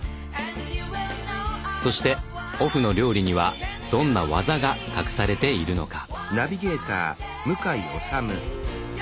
そしてオフの料理にはどんな技が隠されているのか？